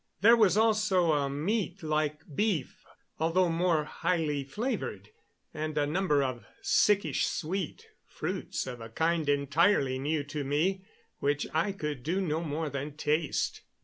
There was also a meat like beef, although more highly flavored, and a number of sickish sweet fruits of a kind entirely new to me, which I could do no more than taste.